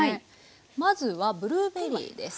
まずはブルーベリーです。